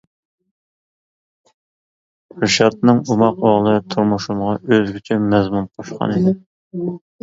رىشاتنىڭ ئوماق ئوغلى تۇرمۇشۇمغا ئۆزگىچە مەزمۇن قوشقان ئىدى.